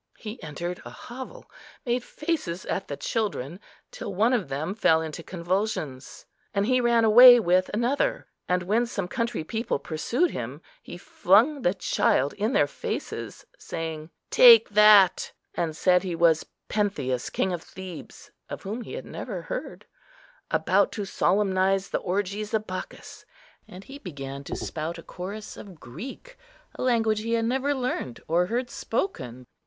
He entered a hovel, made faces at the children, till one of them fell into convulsions, and he ran away with another; and when some country people pursued him, he flung the child in their faces, saying, "Take that," and said he was Pentheus, king of Thebes, of whom he had never heard, about to solemnise the orgies of Bacchus, and he began to spout a chorus of Greek, a language he had never learnt or heard spoken.